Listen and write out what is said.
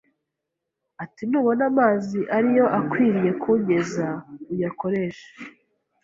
ati nubona amazi ariyo akwiriye kunyeza uyakoreshe